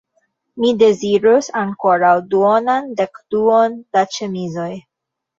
Mi dezirus ankoraŭ duonan dekduon da ĉemizoj.